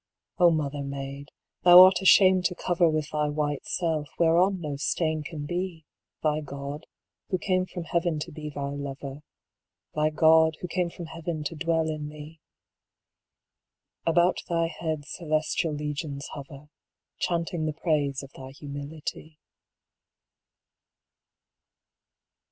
O Mother Maid, thou art ashamed to cover With thy white self, whereon no stain can be, Thy God, Who came from Heaven to be thy Lover, Thy God, Who came from Heaven to dwell in thee. About thy head celestial legions hover, Chanting the praise of thy humility.